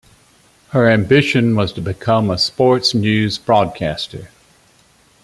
Her ambition was to become a sports news-broadcaster.